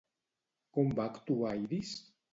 Com va actuar Iris?